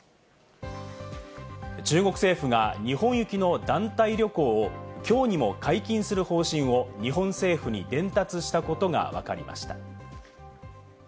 中国政府が日本行きの団体旅行をきょうにも解禁する方針を日本政府に伝達したことがわかりました。